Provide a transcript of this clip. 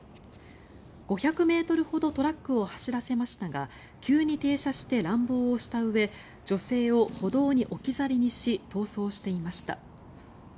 ５００ｍほどトラックを走らせましたが急に停車して乱暴をしたうえ女性を歩道に置き去りにし逃走していました。